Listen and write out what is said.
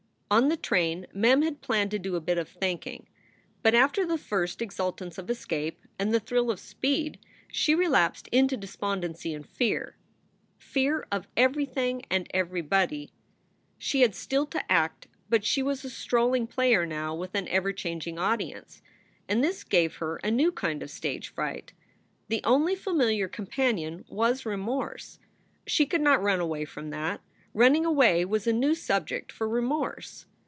On the train Mem had planned to do a bit of thinking. But after the first exultance of escape and the thrill of speed she relapsed into despondency and fear fear of everything and everybody. She had still to act, but she was a strolling player now with an ever changing audience. And this gave her a new kind of stage fright. The only familiar companion was remorse. She could not run away from that. Running away was a new subject for remorse.